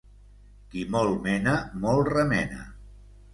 Qui molt mena, molt remena.